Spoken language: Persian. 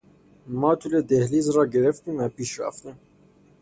ما طول دهلیز را گرفتیم و پیش رفتیم.